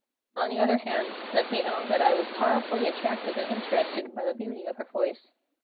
On the other hand, let me own that I was powerfully attracted and interested by the beauty of her voice.